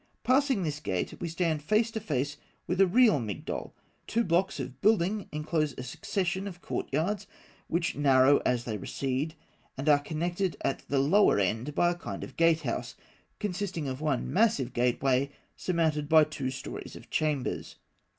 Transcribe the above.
Passing this gate, we stand face to face with a real Migdol. Two blocks of building enclose a succession of court yards, which narrow as they recede, and are connected at the lower end by a kind of gate house, consisting of one massive gateway surmounted by two storeys of chambers.